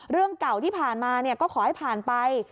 เรื่องเก่าที่ผ่านมาก็ขอให้ผ่านไป